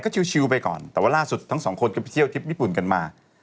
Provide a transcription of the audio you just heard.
ก็ชิวไปก่อนแต่ว่าล่าสุดทั้งสองคนก็ไปเที่ยวทริปญี่ปุ่นกันมา